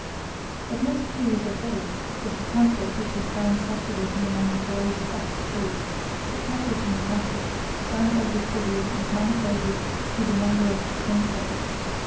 But most curious of all was the pamphlet which was found circulating among the boys at the school, a typewritten pamphlet signed by Beautrelet and manifolded to the number of ten copies.